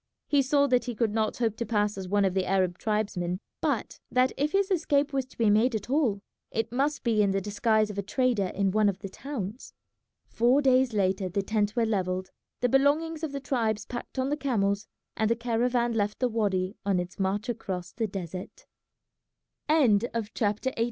He saw that he could not hope to pass as one of the Arab tribesmen, but that if his escape was to be made at all it must be in the disguise of a trader in one of the towns. Four days later the tents were levelled, the belongings of the tribes packed on the camels, and the caravan left the wady on its march across the desert. CHAPTER XIX.